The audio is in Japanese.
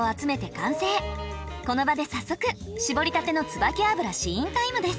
この場で早速搾りたてのつばき油試飲タイムです。